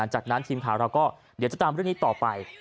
จากนั้นทีมข่าวเราก็เดี๋ยวจะตามเรื่องนี้ต่อไป